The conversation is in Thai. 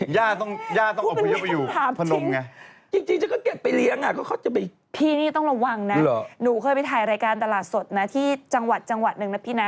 ย่าต้องอบคุยเยอะไปอยู่พนมไงพี่นี่ต้องระวังนะหนูเคยไปถ่ายรายการตลาดสดนะที่จังหวัดหนึ่งนะพี่นะ